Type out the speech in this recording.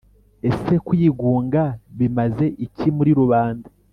ese kwigunga bimaze iki muri rubanda